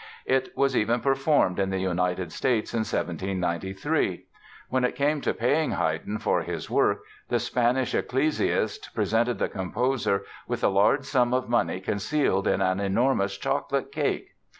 It was even performed in the United States in 1793. When it came to paying Haydn for his work the Spanish ecclesiast presented the composer with a large sum of money concealed in an enormous chocolate cake!